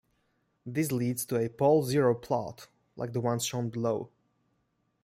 This leads to a pole-zero plot like the ones shown below.